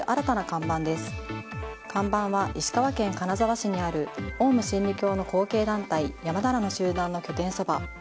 看板は石川県金沢市にあるオウム真理教の後継団体山田らの拠点の拠点そば。